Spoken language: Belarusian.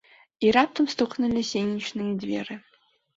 І раптам стукнулі сенечныя дзверы.